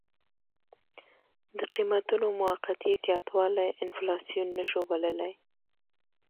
د قیمتونو موقتي زیاتوالی انفلاسیون نه شو بللی.